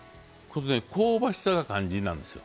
香ばしさが肝心なんですよ。